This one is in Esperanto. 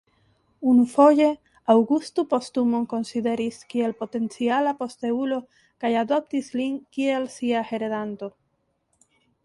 Unufoje Aŭgusto Postumon konsideris kiel potenciala posteulo kaj adoptis lin kiel sia heredanto.